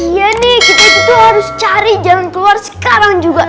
iya nih kita itu harus cari jalan keluar sekarang juga